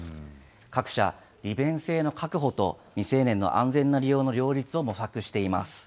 各社、利便性の確保と未成年の安全な利用の両立を模索しています。